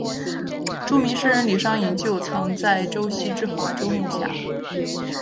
著名诗人李商隐就曾在周墀之华州幕下。